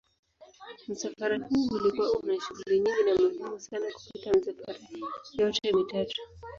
Msafara huu ulikuwa una shughuli nyingi na muhimu sana kupita misafara yote mitatu.